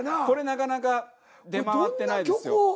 これなかなか出回ってないですよ。